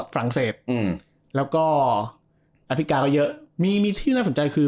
ฝรั่งเศสแล้วก็แอฟริกาก็เยอะมีมีที่น่าสนใจคือ